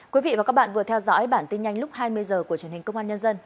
quý vị và các bạn vừa theo dõi bản tin nhanh lúc hai mươi giờ